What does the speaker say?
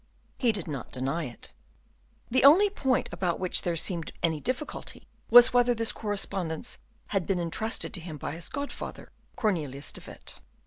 He did not deny it. The only point about which there seemed any difficulty was whether this correspondence had been intrusted to him by his godfather, Cornelius de Witt.